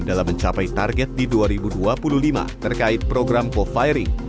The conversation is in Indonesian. dalam mencapai target di dua ribu dua puluh lima terkait program co firing